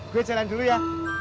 gue jalan dulu ya